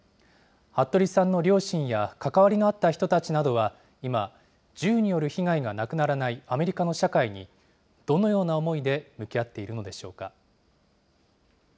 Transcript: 服部さんの両親や関わりのあった人たちなどは、今、銃による被害がなくならないアメリカの社会に、どのような思いで向き合っているのでしょうか。